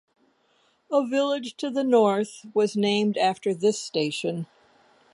A village to the north was named after this station.